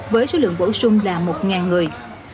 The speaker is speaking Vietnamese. với số lượng bổ sung là một người